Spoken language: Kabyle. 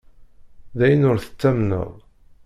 D ayen ur tettamneḍ!